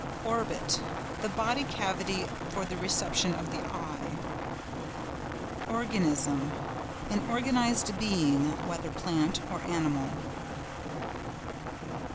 ORBIT.—The bony cavity for the reception of the eye. ORGANISM.—An organised being, whether plant or animal.